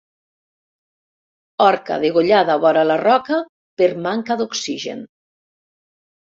Orca degollada vora la roca per manca d'oxigen.